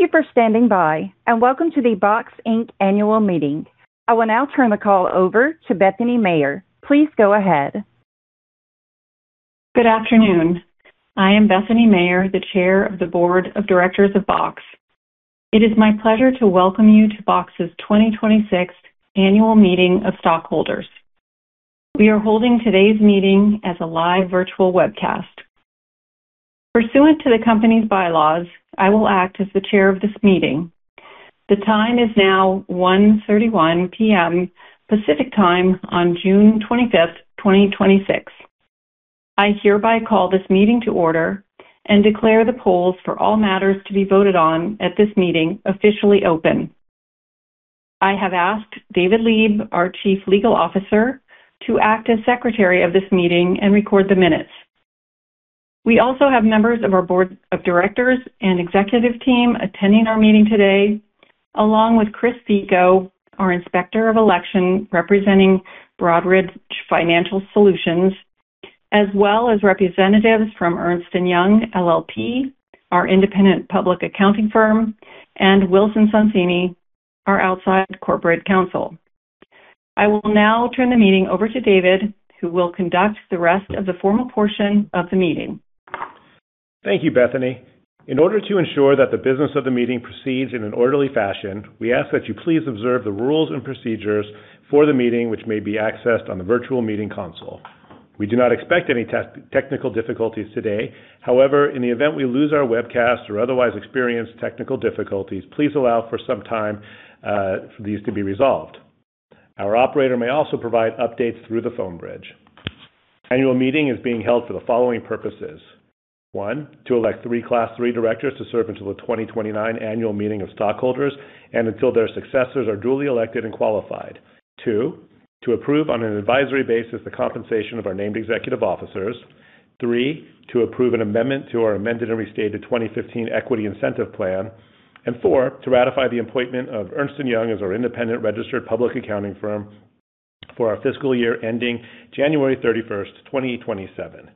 Thank you for standing by, and welcome to the Box, Inc. annual meeting. I will now turn the call over to Bethany Mayer. Please go ahead. Good afternoon. I am Bethany Mayer, the Chair of the Board of Directors of Box. It is my pleasure to welcome you to Box's 2026 annual meeting of stockholders. We are holding today's meeting as a live virtual webcast. Pursuant to the company's bylaws, I will act as the Chair of this meeting. The time is now 1:31 PM, Pacific Time on June 25th, 2026. I hereby call this meeting to order and declare the polls for all matters to be voted on at this meeting officially open. I have asked David Leeb, our Chief Legal Officer, to act as Secretary of this meeting and record the minutes. We also have members of our Board of Directors and executive team attending our meeting today, along with Chris Vico, our Inspector of Election representing Broadridge Financial Solutions, as well as representatives from Ernst & Young LLP, our independent public accounting firm, and Wilson Sonsini, our outside corporate counsel. I will now turn the meeting over to David, who will conduct the rest of the formal portion of the meeting. Thank you, Bethany. In order to ensure that the business of the meeting proceeds in an orderly fashion, we ask that you please observe the rules and procedures for the meeting, which may be accessed on the virtual meeting console. We do not expect any technical difficulties today. However, in the event we lose our webcast or otherwise experience technical difficulties, please allow for some time for these to be resolved. Our operator may also provide updates through the phone bridge. Annual meeting is being held for the following purposes: One, to elect three Class III directors to serve until the 2029 annual meeting of stockholders and until their successors are duly elected and qualified. Two, to approve on an advisory basis the compensation of our named executive officers. Three, to approve an amendment to our amended and restated 2015 Equity Incentive Plan. Four, to ratify the appointment of Ernst & Young as our independent registered public accounting firm for our fiscal year ending January 31st, 2027.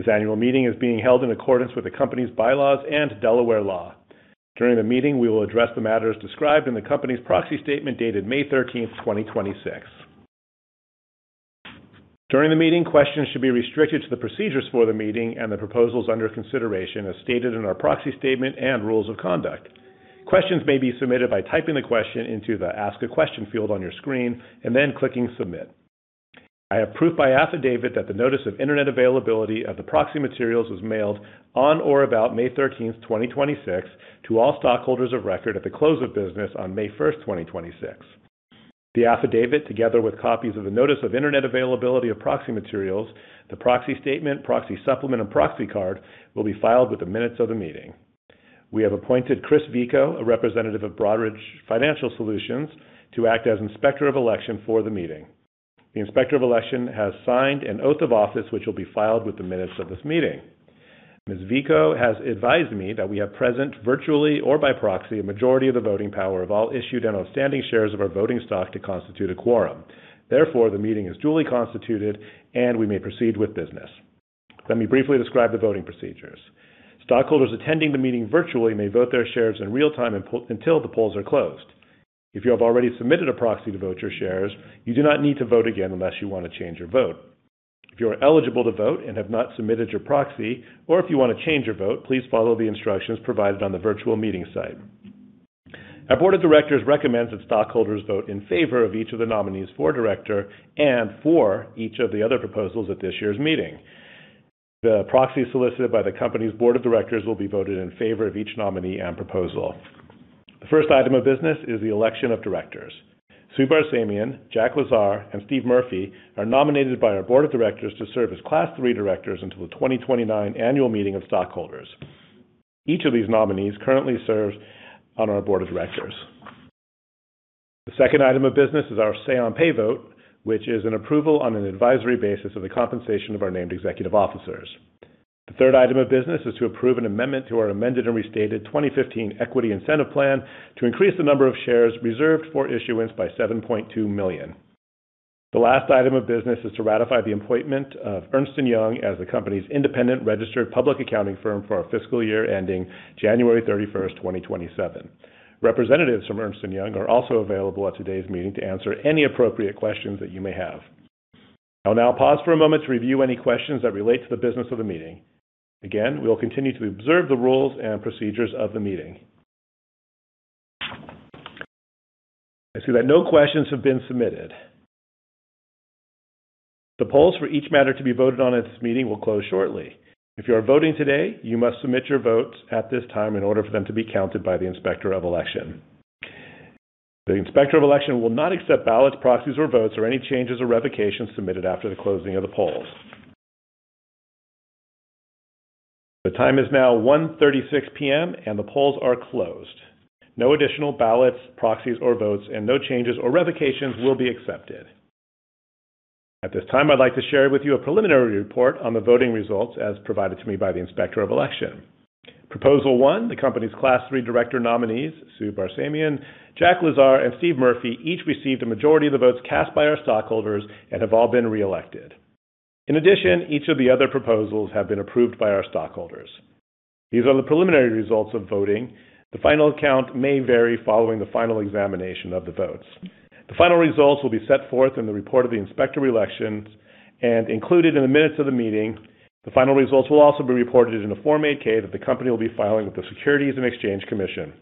This annual meeting is being held in accordance with the company's bylaws and Delaware law. During the meeting, we will address the matters described in the company's proxy statement dated May 13th, 2026. During the meeting, questions should be restricted to the procedures for the meeting and the proposals under consideration as stated in our proxy statement and rules of conduct. Questions may be submitted by typing the question into the 'Ask a Question' field on your screen and then clicking 'Submit'. I have proof by affidavit that the notice of internet availability of the proxy materials was mailed on or about May 13th, 2026, to all stockholders of record at the close of business on May 1st, 2026. The affidavit, together with copies of the notice of internet availability of proxy materials, the proxy statement, proxy supplement, and proxy card, will be filed with the minutes of the meeting. We have appointed Chris Vico, a representative of Broadridge Financial Solutions, to act as Inspector of Election for the meeting. The Inspector of Election has signed an Oath of Office, which will be filed with the minutes of this meeting. Ms. Vico has advised me that we have present, virtually or by proxy, a majority of the voting power of all issued and outstanding shares of our voting stock to constitute a quorum. The meeting is duly constituted, and we may proceed with business. Let me briefly describe the voting procedures. Stockholders attending the meeting virtually may vote their shares in real time until the polls are closed. If you have already submitted a proxy to vote your shares, you do not need to vote again unless you want to change your vote. If you are eligible to vote and have not submitted your proxy, or if you want to change your vote, please follow the instructions provided on the virtual meeting site. Our board of directors recommends that stockholders vote in favor of each of the nominees for director and for each of the other proposals at this year's meeting. The proxy solicited by the company's board of directors will be voted in favor of each nominee and proposal. The first item of business is the election of directors. Sue Barsamian, Jack Lazar, and Steve Murphy are nominated by our board of directors to serve as Class III directors until the 2029 annual meeting of stockholders. Each of these nominees currently serves on our board of directors. The second item of business is our say on pay vote, which is an approval on an advisory basis of the compensation of our named executive officers. The third item of business is to approve an amendment to our amended and restated 2015 Equity Incentive Plan to increase the number of shares reserved for issuance by 7.2 million. The last item of business is to ratify the appointment of Ernst & Young as the company's independent registered public accounting firm for our fiscal year ending January 31st, 2027. Representatives from Ernst & Young are also available at today's meeting to answer any appropriate questions that you may have. I'll now pause for a moment to review any questions that relate to the business of the meeting. We will continue to observe the rules and procedures of the meeting. I see that no questions have been submitted. The polls for each matter to be voted on at this meeting will close shortly. If you are voting today, you must submit your votes at this time in order for them to be counted by the Inspector of Election. The Inspector of Election will not accept ballots, proxies, or votes, or any changes or revocations submitted after the closing of the polls. The time is now 1:36 PM, and the polls are closed. No additional ballots, proxies, or votes, and no changes or revocations will be accepted. At this time, I'd like to share with you a preliminary report on the voting results as provided to me by the Inspector of Election. Proposal 1, the company's Class III director nominees, Sue Barsamian, Jack Lazar, and Steve Murphy, each received a majority of the votes cast by our stockholders and have all been reelected. Each of the other proposals have been approved by our stockholders. These are the preliminary results of voting. The final count may vary following the final examination of the votes. The final results will be set forth in the report of the Inspector of Election and included in the minutes of the meeting. The final results will also be reported in the Form 8-K that the company will be filing with the Securities and Exchange Commission.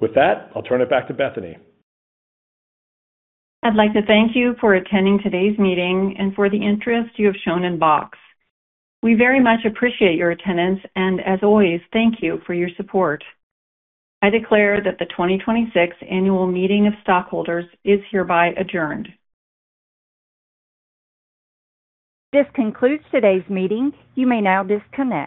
I'll turn it back to Bethany. I'd like to thank you for attending today's meeting and for the interest you have shown in Box. We very much appreciate your attendance, and as always, thank you for your support. I declare that the 2026 annual meeting of stockholders is hereby adjourned. This concludes today's meeting. You may now disconnect.